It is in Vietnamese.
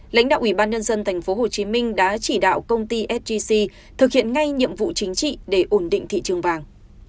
lãnh đạo ủy ban nhân dân tp hcm đã chỉ đạo công ty sgc thực hiện ngay nhiệm vụ chính trị để ổn định thị trường vàng